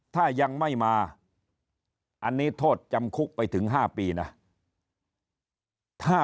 ถ้ายังไม่มาอันนี้โทษจำคุกไปถึง๕ปีนะ